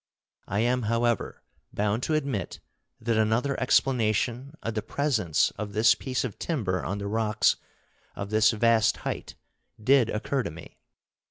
I am, however, bound to admit that another explanation of the presence of this piece of timber on the rocks of this vast height did occur to me.